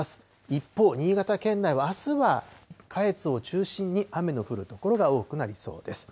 一方、新潟県内はあすは下越を中心に雨の降る所が多くなりそうです。